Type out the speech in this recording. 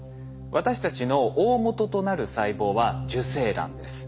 私たちの大本となる細胞は受精卵です。